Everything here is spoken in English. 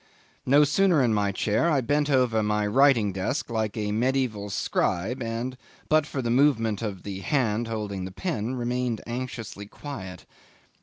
No sooner in my chair I bent over my writing desk like a medieval scribe, and, but for the movement of the hand holding the pen, remained anxiously quiet.